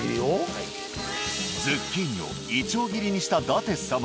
はいズッキーニをイチョウ切りにした舘様